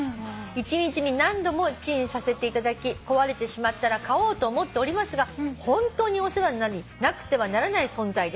「一日に何度もチンさせていただき壊れてしまったら買おうと思っておりますがホントにお世話になりなくてはならない存在です」